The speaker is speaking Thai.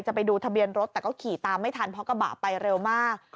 ไปดูทะเบียนรถแต่ก็ขี่ตามไม่ทันเพราะกระบะไปเร็วมาก